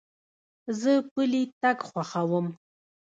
زه پلي تګ خوښوم.